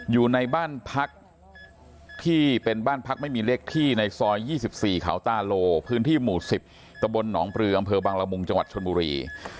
อยู่ในบ้านพักที่เป็นบ้านพักไม่มีเลขที่ในซอย๒๔เขาตาโลพื้นที่หมู่๑๐ตะบลหนองปลืออำเภอบังละมุงจังหวัดชนบุรี